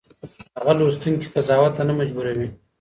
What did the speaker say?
هغه لوستونکی قضاوت ته نه مجبوروي.